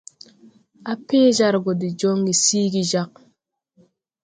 Á pẽẽ jar gɔ de jɔŋge siigi jag.